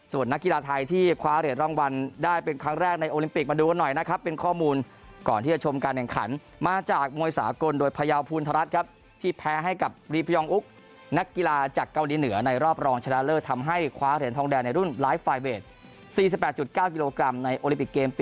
ส่วนนักกีฬาไทยที่คว้าเหรียญรางวัลได้เป็นครั้งแรกในโอลิมปิกมาดูกันหน่อยนะครับเป็นข้อมูลก่อนที่จะชมการแข่งขันมาจากมวยสากลโดยพยาวภูณธรัฐครับที่แพ้ให้กับรีพยองอุ๊กนักกีฬาจากเกาหลีเหนือในรอบรองชนะเลิศทำให้คว้าเหรียญทองแดงในรุ่นไลฟ์ไฟเวท๔๘๙กิโลกรัมในโอลิปิกเกม